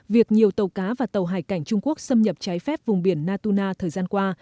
việc nhiều tàu cá và tàu hải cảnh trung quốc xâm nhập trái phép vùng biển natuna thời gian qua